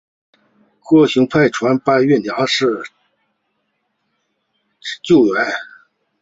郭衍派船搬运粮食救援。